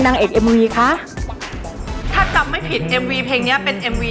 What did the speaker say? นางเอกเอ็มวีคะถ้าจำไม่ผิดเอ็มวีเพลงเนี้ยเป็นเอ็มวี